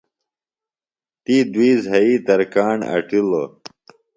تی دُوئی زھئی ترکاݨ اٹِلو۔